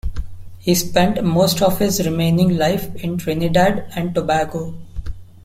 He spent most of his remaining life in Trinidad and Tobago.